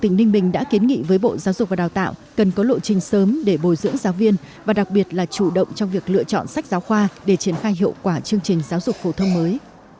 tỉnh ninh bình đã kiến nghị với bộ giáo dục và đào tạo cần có lộ trình sớm để bồi dưỡng giáo viên và đặc biệt là chủ động trong việc lựa chọn sách giáo khoa để triển khai hiệu quả chương trình giáo dục phổ thông mới